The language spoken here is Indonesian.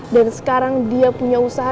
dan sekarang dia punya usaha